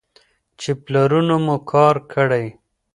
چې پلرونو مو کار کړی.